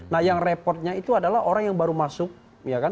nah yang repotnya itu adalah orang yang baru masuk ya kan